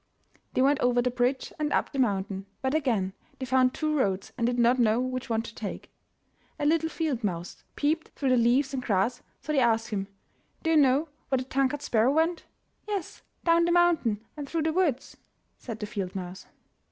They went over the bridge and up the mountain, but again they found two roads and did not know which one to take. A little field mouse peeped through the leaves and grass, so they asked him, "Do you know where the tongue cut sparrow went?'* "Yes. Down the mountain and through the woods," said the field mouse.